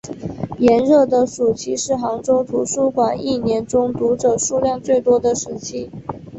炎热的暑期是杭州图书馆一年中读者数量最多的时期。